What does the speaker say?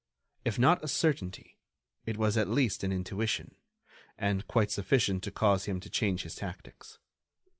If not a certainty, it was at least an intuition, and quite sufficient to cause him to change his tactics.